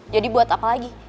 jadi buat apa lagi